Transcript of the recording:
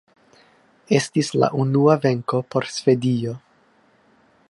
Estis la unua venko por Svedio.